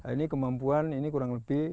ini kemampuan ini kurang lebih